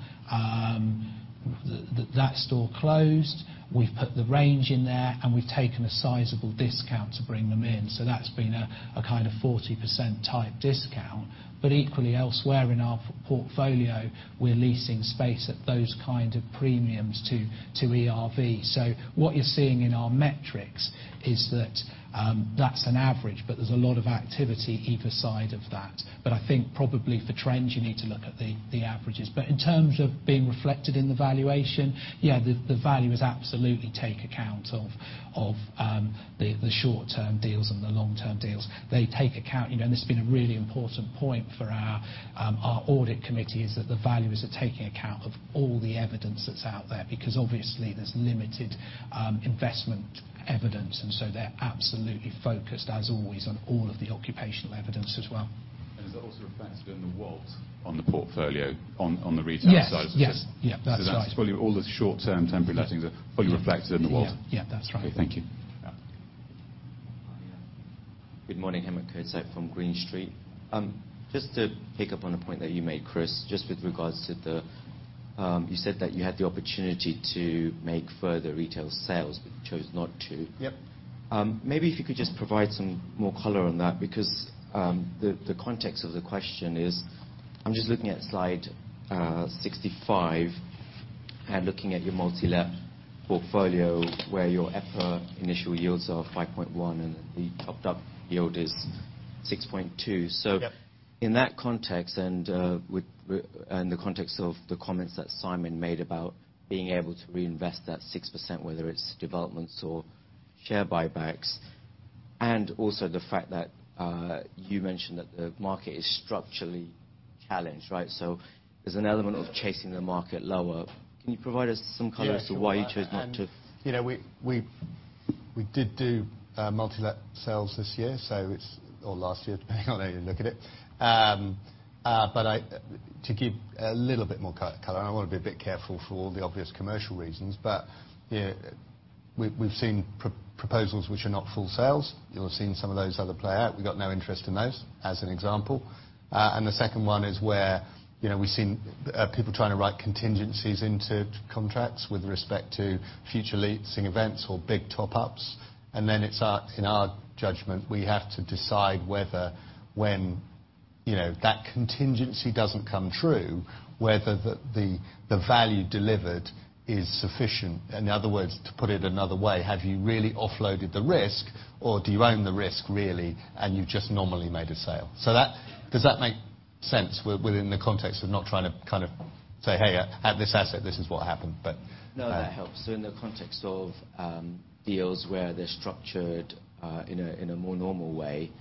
That store closed. We've put The Range in there, and we've taken a sizable discount to bring them in. That's been a 40% type discount. Equally elsewhere in our portfolio, we're leasing space at those kinds of premiums to ERV. What you're seeing in our metrics is that that's an average, but there's a lot of activity either side of that. I think probably for trends, you need to look at the averages. In terms of being reflected in the valuation, yeah, the value is absolutely take account of Of the short-term deals and the long-term deals. They take account, and this has been a really important point for our audit committee, is that the valuers are taking account of all the evidence that's out there, because obviously there's limited investment evidence. They're absolutely focused, as always, on all of the occupational evidence as well. Is that also reflected in the WAULT on the portfolio, on the retail side? Yes. That's probably all the short term temporary lettings are reflected in the WAULT. Yeah. That's right. Okay. Thank you. Good morning. Hemant Kotak from Green Street. Just to pick up on a point that you made, Chris, with regards to the, you said that you had the opportunity to make further retail sales, but you chose not to. Yep. Maybe if you could just provide some more color on that, because the context of the question is, I'm just looking at slide 65 and looking at your multi-let portfolio, where your EPRA initial yields are 5.1% and the topped up yield is 6.2%. Yep. In that context, and the context of the comments that Simon made about being able to reinvest that 6%, whether it's developments or share buybacks, and also the fact that you mentioned that the market is structurally challenged, right? There's an element of chasing the market lower. Can you provide us some color? Yeah. As to why you chose not to? We did do multi-let sales this year, or last year, depending on how you look at it. To give a little bit more color, and I want to be a bit careful for all the obvious commercial reasons, but we've seen proposals which are not full sales. You'll have seen some of those other play out. We got no interest in those, as an example. The second one is where we've seen people trying to write contingencies into contracts with respect to future leasing events or big top-ups. Then it's in our judgment, we have to decide whether, when that contingency doesn't come true, whether the value delivered is sufficient. In other words, to put it another way, have you really offloaded the risk, or do you own the risk really, and you've just nominally made a sale? Does that make sense within the context of not trying to say, "Hey, at this asset, this is what happened. No, that helps. In the context of deals where they're structured in a more normal way,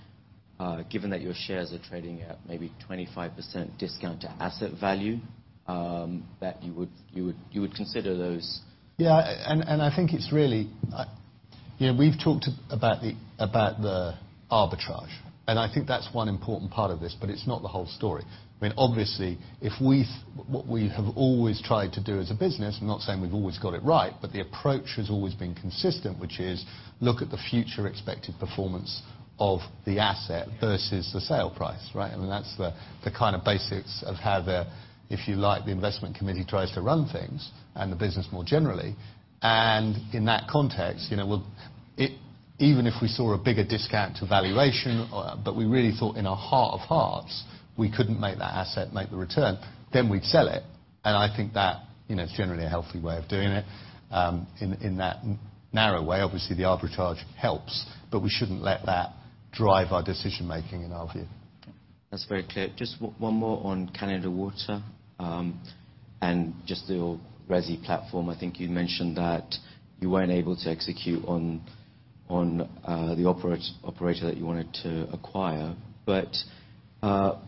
given that your shares are trading at maybe 25% discount to asset value, that you would consider those? Yeah. We've talked about the arbitrage. I think that's one important part of this, but it's not the whole story. Obviously, what we have always tried to do as a business, I'm not saying we've always got it right, but the approach has always been consistent, which is look at the future expected performance of the asset versus the sale price, right? That's the kind of basics of how the, if you like, the investment committee tries to run things, and the business more generally. In that context, even if we saw a bigger discount to valuation, but we really thought in our heart of hearts we couldn't make that asset make the return, then we'd sell it. I think that, is generally a healthy way of doing it. In that narrow way, obviously, the arbitrage helps. We shouldn't let that drive our decision making, in our view. That's very clear. Just one more on Canada Water. Just your resi platform. I think you mentioned that you weren't able to execute on the operator that you wanted to acquire.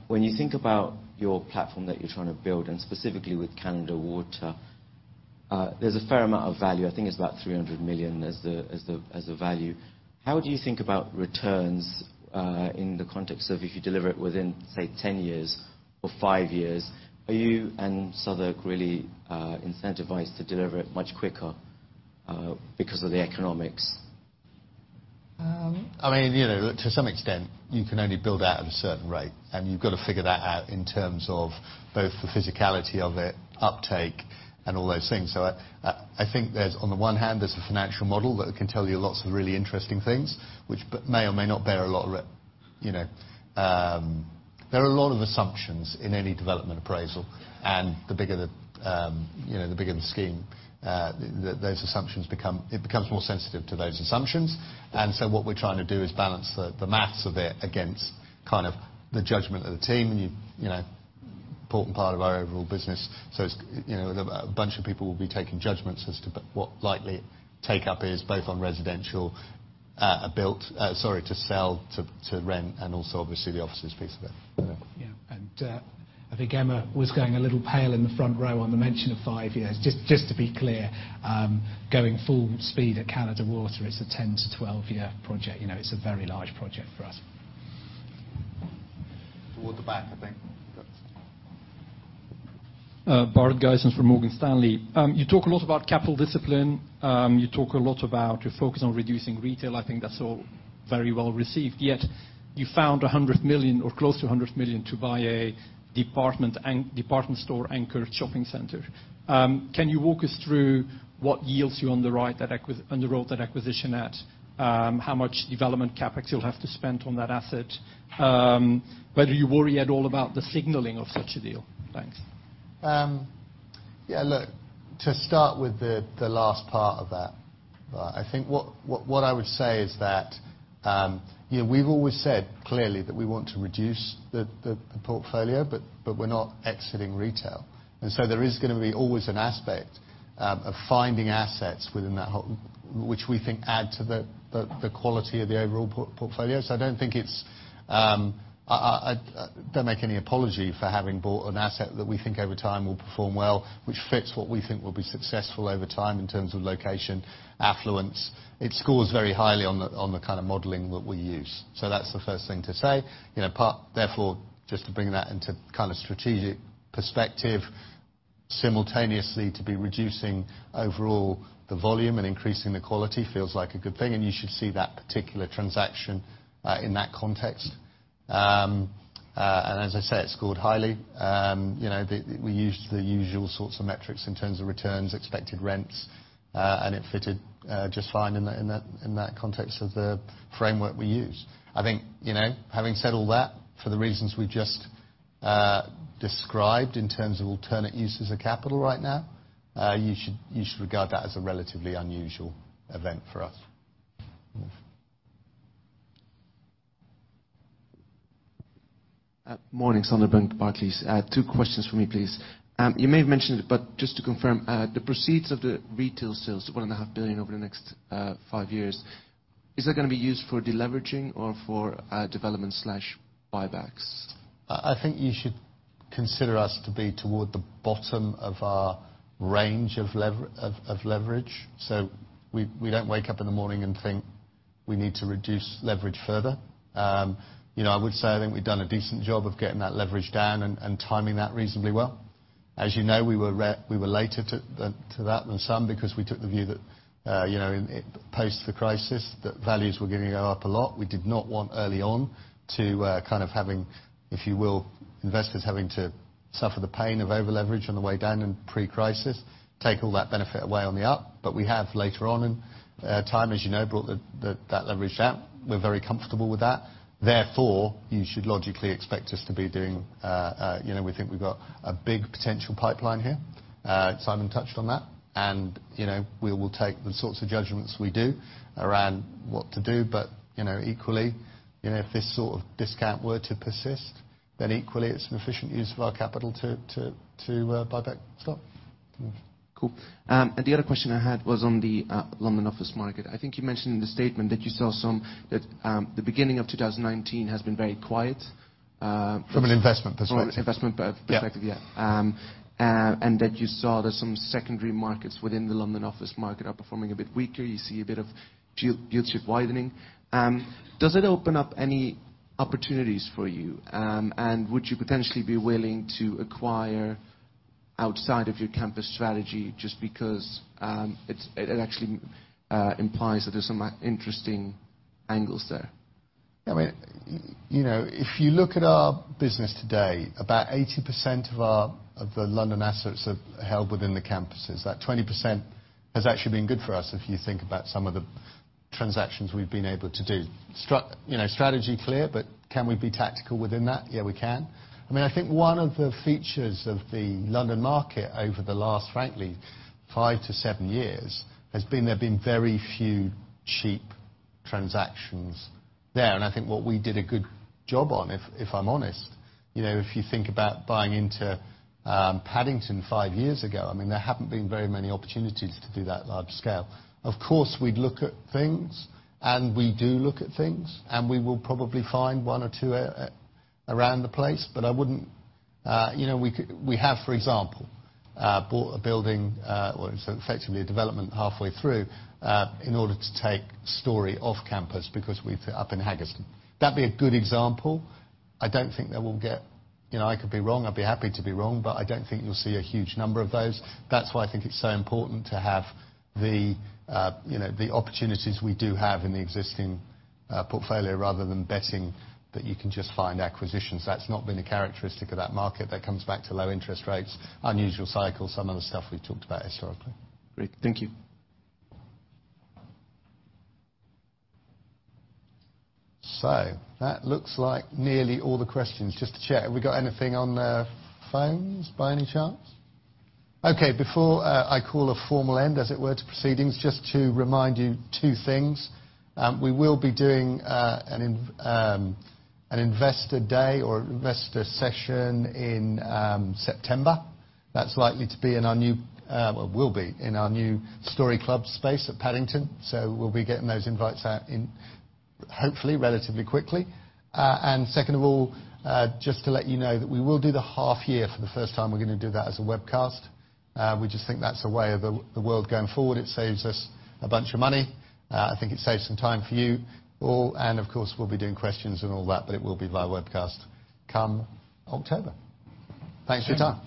When you think about your platform that you're trying to build, and specifically with Canada Water, there's a fair amount of value. I think it's about 300 million as the value. How do you think about returns in the context of if you deliver it within, say, 10 years or five years? Are you and Southwark really incentivized to deliver it much quicker because of the economics? To some extent, you can only build out at a certain rate, and you've got to figure that out in terms of both the physicality of it, uptake, and all those things. I think, on the one hand, there's a financial model that can tell you lots of really interesting things, which may or may not bear a lot of assumptions in any development appraisal. The bigger the scheme, it becomes more sensitive to those assumptions. What we're trying to do is balance the math of it against the judgment of the team, important part of our overall business. A bunch of people will be taking judgments as to what likely take-up is, both on residential, to sell, to rent, and also obviously the offices piece of it. Yeah. I think Emma was going a little pale in the front row on the mention of five years. Just to be clear, going full speed at Canada Water is a 10-12-year project. It's a very large project for us. Toward the back, I think. Bart Gysens from Morgan Stanley. You talk a lot about capital discipline. You talk a lot about your focus on reducing retail. I think that's all very well received. Yet you found 100 million, or close to 100 million, to buy a department store anchor shopping center. Can you walk us through what yields you underwrote that acquisition at? How much development CapEx you'll have to spend on that asset? Whether you worry at all about the signaling of such a deal. Thanks. To start with the last part of that. I think what I would say is that we've always said, clearly, that we want to reduce the portfolio, but we're not exiting retail. There is going to be always an aspect of finding assets within that whole, which we think add to the quality of the overall portfolio. I don't make any apology for having bought an asset that we think over time will perform well, which fits what we think will be successful over time in terms of location, affluence. It scores very highly on the kind of modeling that we use. That's the first thing to say. Therefore, just to bring that into strategic perspective, simultaneously to be reducing overall the volume and increasing the quality feels like a good thing, and you should see that particular transaction, in that context. As I say, it scored highly. We used the usual sorts of metrics in terms of returns, expected rents, and it fitted just fine in that context of the framework we use. I think, having said all that, for the reasons we just described in terms of alternate uses of capital right now, you should regard that as a relatively unusual event for us. Morning. Sander Bunck, Barclays. Two questions from me, please. You may have mentioned it, but just to confirm, the proceeds of the retail sales, 1.5 billion over the next 5 years, is that going to be used for deleveraging or for development/buybacks? I think you should consider us to be toward the bottom of our range of leverage. We don't wake up in the morning and think we need to reduce leverage further. I would say I think we've done a decent job of getting that leverage down and timing that reasonably well. As you know, we were later to that than some because we took the view that post the crisis, that values were going to go up a lot. We did not want early on, investors having to suffer the pain of over-leverage on the way down in pre-crisis, take all that benefit away on the up. We have later on in time, as you know, brought that leverage down. We're very comfortable with that. We think we've got a big potential pipeline here. Simon touched on that. We will take the sorts of judgments we do around what to do, equally, if this sort of discount were to persist, equally it's an efficient use of our capital to buy back stock. Cool. The other question I had was on the London office market. I think you mentioned in the statement that the beginning of 2019 has been very quiet. From an investment perspective. From an investment perspective, yeah. Yeah. That you saw there's some secondary markets within the London office market are performing a bit weaker. You see a bit of yield strip widening. Does it open up any opportunities for you? Would you potentially be willing to acquire outside of your campus strategy just because it actually implies that there's some interesting angles there? If you look at our business today, about 80% of the London assets are held within the campuses. That 20% has actually been good for us, if you think about some of the transactions we've been able to do. Strategy clear, can we be tactical within that? Yeah, we can. I think one of the features of the London market over the last, frankly, five to seven years, has been there have been very few cheap transactions there. I think what we did a good job on, if I'm honest, if you think about buying into Paddington five years ago, there haven't been very many opportunities to do that large scale. Of course, we'd look at things, and we do look at things, and we will probably find one or two around the place. We have, for example, bought a building, well, it's effectively a development halfway through, in order to take Storey off campus, up in Haggerston. That'd be a good example. I could be wrong, I'd be happy to be wrong, I don't think you'll see a huge number of those. That's why I think it's so important to have the opportunities we do have in the existing portfolio rather than betting that you can just find acquisitions. That's not been a characteristic of that market. That comes back to low interest rates, unusual cycles, some of the stuff we've talked about historically. Great. Thank you. That looks like nearly all the questions. Just to check, have we got anything on the phones by any chance? Okay, before I call a formal end, as it were, to proceedings, just to remind you two things. We will be doing an investor day or investor session in September. That will be in our new Storey Club space at Paddington. We'll be getting those invites out hopefully relatively quickly. Second of all, just to let you know that we will do the half year. For the first time, we're going to do that as a webcast. We just think that's a way of the world going forward. It saves us a bunch of money. I think it saves some time for you all, and of course, we'll be doing questions and all that, but it will be via webcast come October. Thanks for your time